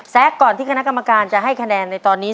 ก่อนที่คณะกรรมการจะให้คะแนนในตอนนี้